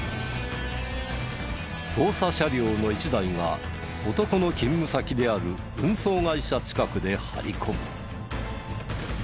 捜査車両の一台が男の勤務先である運送会社近くで張り込む。